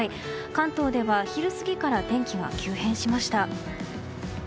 関東では昼過ぎから天気が急変しました。